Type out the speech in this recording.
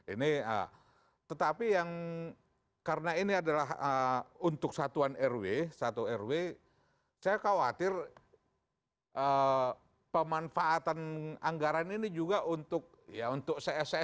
ini tetapi yang karena ini adalah untuk satuan rw satu rw saya khawatir pemanfaatan anggaran ini juga untuk ya untuk csr